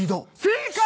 正解！